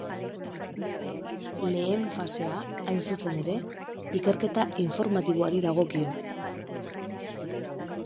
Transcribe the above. Lehen fasea, hain zuzen ere, ikerketa informatiboari dagokio.